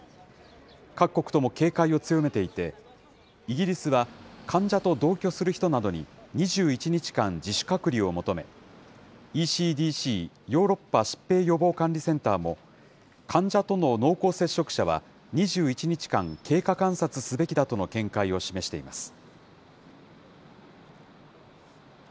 各国とも警戒を強めていて、イギリスは患者と同居する人などに、２１日間、自主隔離を求め、ＥＣＤＣ・ヨーロッパ疾病予防管理センターも、患者との濃厚接触者は２１日間、経過観察すべきだとの見解を示しています。